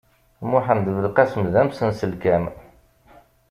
Muḥend Belqasem, d amsenselkam.